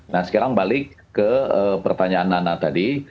nah sekarang balik ke pertanyaan nana tadi